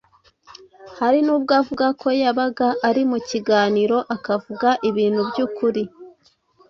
Hari nubwo avuga ko yabaga ari mu kiganiro akavuga ibintu by'ukuri,